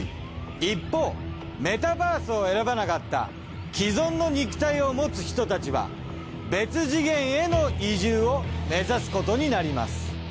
一方メタバースを選ばなかった既存の肉体を持つ人たちは別次元への移住を目指すことになります。